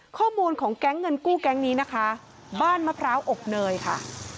ข้อมูลของแก๊งเงินกู้แก๊งนี้นะคะบ้านมะพร้าวอบเนยค่ะ